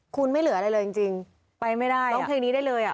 คุณไม่เหลืออะไรเลยจริงไปไม่ได้ร้องเพลงนี้ได้เลยอ่ะ